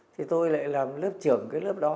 thì tôi lại làm lớp trưởng cái lớp đó